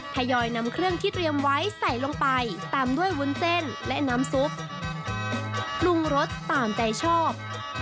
ยอยนำเครื่องที่เตรียมไว้ใส่ลงไปตามด้วยวุ้นเส้นและน้ำซุปปรุงรสตามใจชอบ